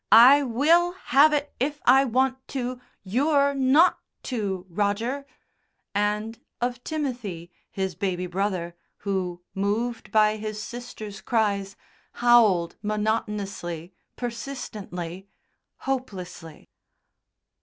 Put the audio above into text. I will have it if I want to. You're not to, Roger," and of Timothy, his baby brother, who, moved by his sister's cries, howled monotonously, persistently, hopelessly.